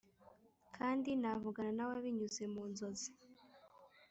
kandi navugana na we binyuze mu nzozi